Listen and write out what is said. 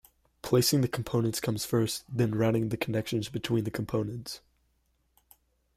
Placing the components comes first, then routing the connections between the components.